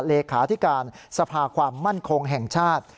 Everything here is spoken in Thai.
เลขาธิการสภาความมั่นคงแห่งชาติ